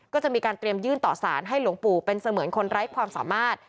ก็จะมีการเตรียมยื่นต่อสารให้หลวงปู่เป็นเสมือนคนไร้ความสามารถ